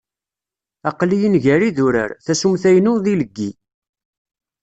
Aqel-iyi-n gar yidurar, tasumta-inu d ileggi.